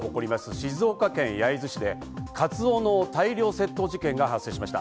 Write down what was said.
静岡県焼津市でカツオの大量窃盗事件が発生しました。